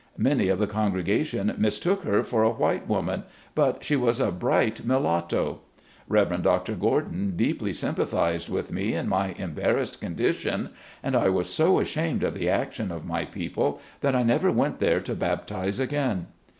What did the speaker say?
Many of the congregation mistook her for a white woman, but she was a bright mulatto. Rev Mr. Gordon deeply sympathized with me in my embarrassed condition, and I was so ashamed of the action of my people that I never went there to baptize again.